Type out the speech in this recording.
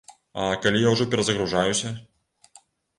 А калі я ўжо перазагружаюся?